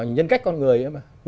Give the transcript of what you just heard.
nhân cách con người ấy mà